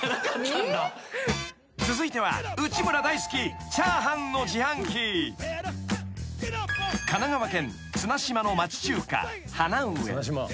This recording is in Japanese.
［続いては内村大好きチャーハンの自販機］［神奈川県綱島の町中華ハナウエ］